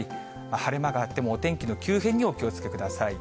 晴れ間があってもお天気の急変にお気をつけください。